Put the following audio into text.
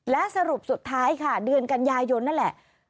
และสรุปสุดท้ายค่ะเดือนกันยายนนั่นแหละ